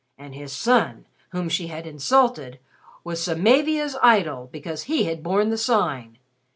And his son whom she had insulted was Samavia's idol because he had borne the Sign.